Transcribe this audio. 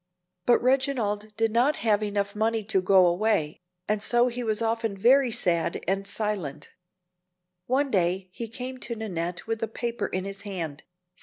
But Reginald did not have money enough to go away, and so he was often very sad and silent. One day he came to Nannette with a paper in his hand.